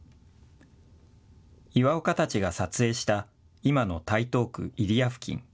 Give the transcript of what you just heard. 岩岡たちが撮影した今の台東区入谷付近。